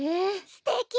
すてき！